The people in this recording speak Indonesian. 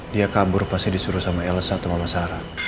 dia kabur pasti disuruh sama elsa atau sama sarah